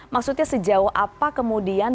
maksudnya sejauh apa kemudian